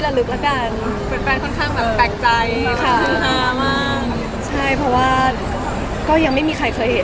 ใครบอกอย่างทั้งปีควนเด็กต่อไปอะไรอย่างแบบนี้